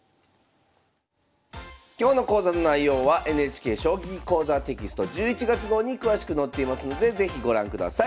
今日の講座の内容はＮＨＫ「将棋講座」テキスト１１月号に詳しく載っていますので是非ご覧ください。